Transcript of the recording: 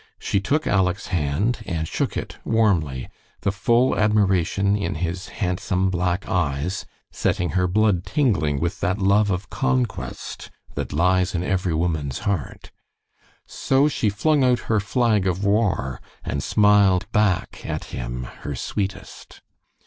She took Aleck's hand and shook it warmly, the full admiration in his handsome black eyes setting her blood tingling with that love of conquest that lies in every woman's heart. So she flung out her flag of war, and smiled back at him her sweetest.